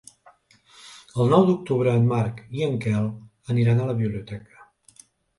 El nou d'octubre en Marc i en Quel aniran a la biblioteca.